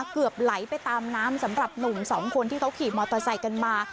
เกือบไหลไปตามน้ำสำหรับหนุ่มสองคนที่เขาขี่มอเตอร์ไซค์กันมา